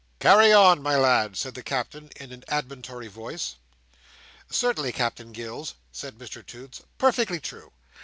"Carry on, my lad!" said the Captain, in an admonitory voice. "Certainly, Captain Gills," said Mr Toots. "Perfectly true!